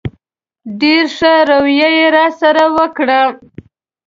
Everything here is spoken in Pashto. ډېره ښه رویه یې راسره وکړه.